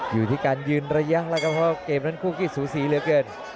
อยู่ที่การยืนระยะแล้วก็พอเกมนั้นกูกิจสูสิเหลือเกิน